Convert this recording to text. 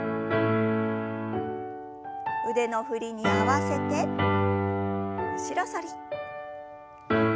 腕の振りに合わせて後ろ反り。